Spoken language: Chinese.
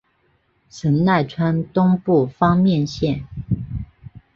神奈川东部方面线。